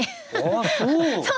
あっそう？